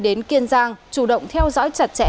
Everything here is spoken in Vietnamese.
đến kiên giang chủ động theo dõi chặt chẽ